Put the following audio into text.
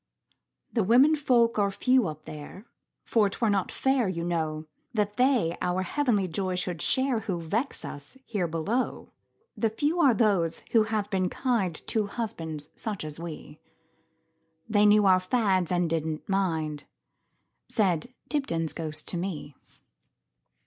"The women folk are few up there; For 't were not fair, you know, That they our heavenly joy should shareWho vex us here below. The few are those who have been kindTo husbands such as we; They knew our fads, and did n't mind,"Says Dibdin's ghost to me.